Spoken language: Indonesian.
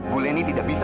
bu lenny tidak bisa